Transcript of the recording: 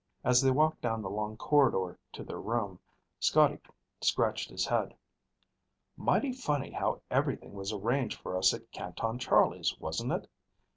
As they walked down the long corridor to their room, Scotty scratched his head. "Mighty funny how everything was arranged for us at Canton Charlie's, wasn't it?